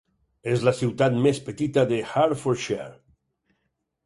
És la ciutat més petita de Hertfordshire.